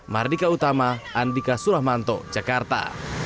mardika utama andika suramanto jakarta